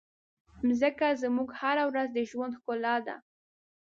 مځکه زموږ هره ورځ د ژوند ښکلا ده.